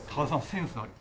センスある。